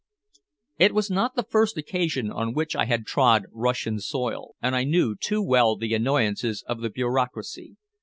It was not the first occasion on which I had trod Russian soil, and I knew too well the annoyances of the bureaucracy.